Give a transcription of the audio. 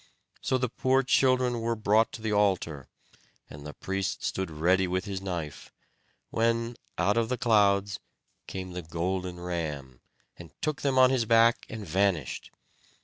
So the poor children were brought to the altar, and the priest stood ready with his knife, when out of the clouds came the Golden Ram, and took them on his back, and vanished.